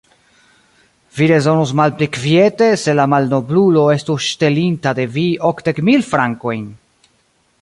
Vi rezonus malpli kviete, se la malnoblulo estus ŝtelinta de vi okdek mil frankojn!